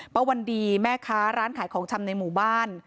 วันดีแม่ค้าร้านขายของชำในหมู่บ้าน